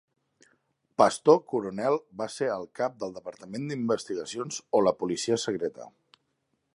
Pastor Coronel va ser el cap del Departament d'investigacions, o la policia secreta.